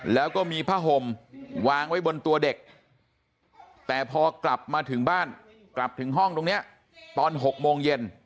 แล้วก็มีผ้าห่มวางไว้บนตัวเด็กแต่พอกลับมาถึงบ้านกลับถึงห้องตรงนี้ตอน๖โมงเย็น